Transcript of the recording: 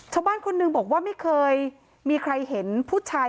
ชาวบ้านคนหนึ่งบอกว่าไม่เคยมีใครเห็นผู้ชาย